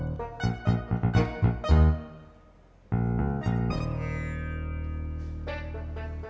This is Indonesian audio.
nenek nggak mau initi